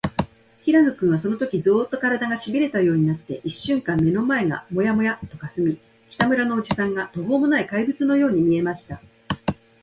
平野君は、そのとき、ゾーッと、からだが、しびれたようになって、いっしゅんかん目の前がモヤモヤとかすみ、北村のおじさんが、とほうもない怪物のように見えました。